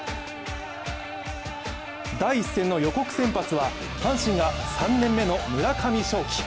第１戦の予告先発は阪神が３年目の村上頌樹。